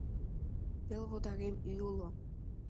Пел водарем ӱй уло.